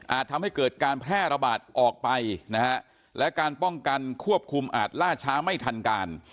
ทำให้เกิดการแพร่ระบาดออกไปนะฮะและการป้องกันควบคุมอาจล่าช้าไม่ทันการ